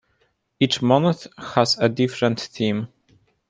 Each month has a different theme.